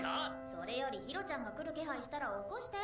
それよりひろちゃんが来る気配したら起こして。